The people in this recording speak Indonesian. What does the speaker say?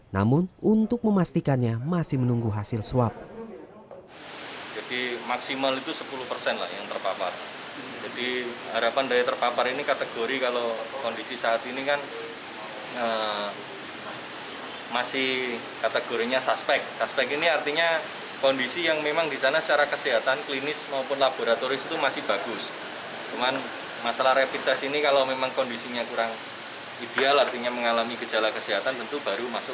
namun untuk memastikannya masih menunggu hasil swab